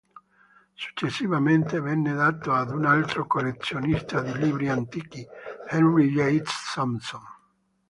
Successivamente venne dato ad un altro collezionista di libri antichi, Henry Yates Thompson.